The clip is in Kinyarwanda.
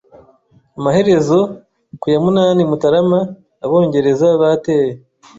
Amaherezo, ku ya munani Mutarama, Abongereza bateye.